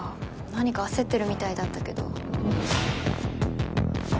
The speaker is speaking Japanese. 何か焦ってるみたいだったけど。